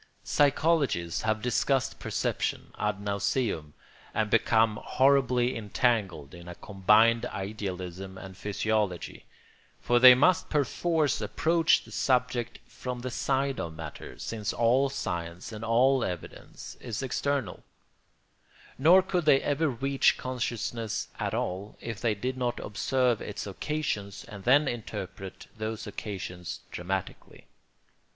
Psychologists have discussed perception ad nauseam and become horribly entangled in a combined idealism and physiology; for they must perforce approach the subject from the side of matter, since all science and all evidence is external; nor could they ever reach consciousness at all if they did not observe its occasions and then interpret those occasions dramatically.